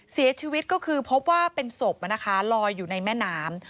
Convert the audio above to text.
เสียชีวิตก็คือพบว่าเป็นศพลอยอยู่ในแม่น้ำ